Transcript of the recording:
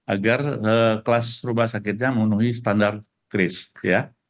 agar kelas rumah sakitnya memenuhi standar kris ya